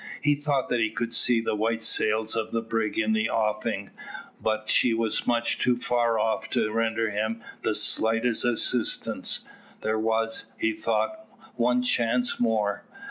He thought that he could see the white sails of the brig in the offing, but she was much too far off to render him the slightest assistance. There was, he thought, one chance more.